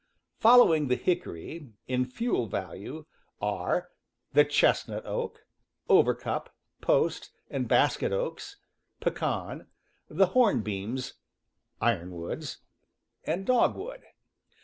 Fol lowing the hickory, in fuel value, are the chestnut oak, overcup, post, and basket oaks, pecan, the hornbeams (ironwoods), and dogwood.